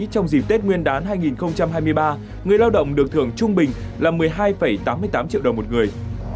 trong dịp tết nguyên đán hai nghìn hai mươi ba người lao động được thưởng trung bình là một mươi hai tám mươi tám triệu đồng một người